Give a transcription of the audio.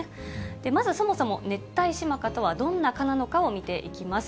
まずそもそもネッタイシマカとはどんな蚊なのかを見ていきます。